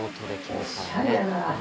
おっしゃれやなあ。